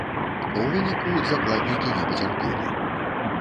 У выніку закладнікі не пацярпелі.